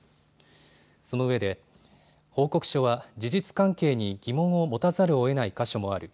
そのうえで報告書は事実関係に疑問を持たざるをえない箇所もある。